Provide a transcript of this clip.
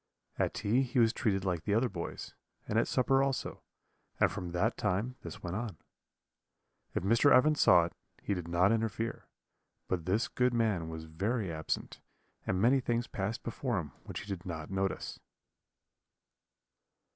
At tea he was treated like the other boys, and at supper also, and from that time this went on. If Mr. Evans saw it, he did not interfere; but this good man was very absent, and many things passed before him which he did not notice.